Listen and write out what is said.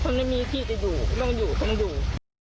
เพราะไม่มีที่จะอยู่ต้องอยู่ต้องอยู่